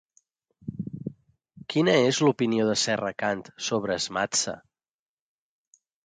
Quina és l'opinió de Serracant sobre Smatsa?